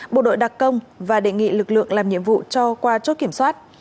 bộ đội đặc công và đề nghị lực lượng làm nhiệm vụ cho qua chốt kiểm soát